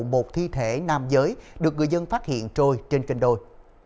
một thi thể nam giới được người dân phát hiện trôi trên kênh đôi